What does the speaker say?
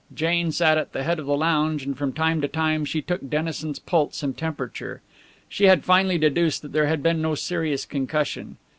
Jane sat at the head of the lounge, and from time to time she took Dennison's pulse and temperature. She had finally deduced that there had been no serious concussion.